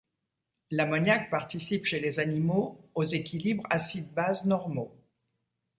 L'ammoniac participe chez les animaux aux équilibres acide-base normaux.